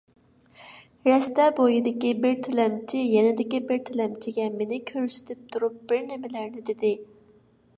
رەستە بويىدىكى بىر تىلەمچى يېنىدىكى بىر تىلەمچىگە مېنى كۆرسىتىپ تۇرۇپ بىرنېمىلەرنى دېدى.